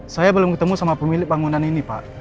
saya belum ketemu sama pemilik bangunan ini pak